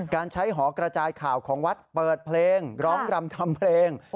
การใช้หอกระจายข่าวของวัดเปิดเพลงร้องรำทำเพลง